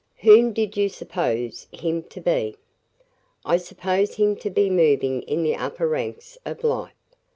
"Whom did you suppose him to be?" "I supposed him to be moving in the upper ranks of life.